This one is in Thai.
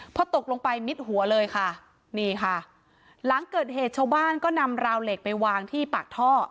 พอตกลงไปมิดหัวเลยค่ะนี่ค่ะหลังเกิดเหตุชาวบ้านก็นำราวเหล็กไปวางที่ปากท่อ